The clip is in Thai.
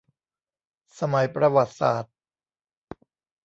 สมัยประวัติศาสตร์